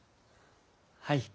はい。